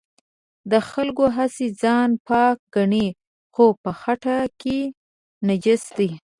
دا خلک هسې ځان پاک ګڼي خو په خټه کې نجس دي.